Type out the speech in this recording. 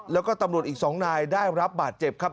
แล้วก็ตำรวจอีก๒นายได้รับบาดเจ็บครับ